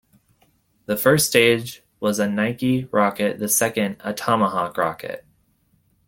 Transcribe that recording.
The first stage was a Nike rocket, the second a Tomahawk rocket.